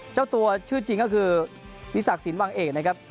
เจ้าตัวชื่อจริงก็คือมีศักดิ์สินวังเอกนะครับ